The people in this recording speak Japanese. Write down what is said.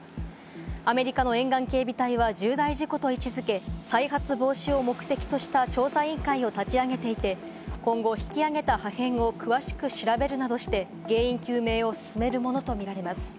アメリカの沿岸警備隊は重大事故と位置付け、再発防止を目的とした調査委員会を立ち上げていて、今後、引き揚げた破片を詳しく調べるなどして原因究明を進めるものとみられます。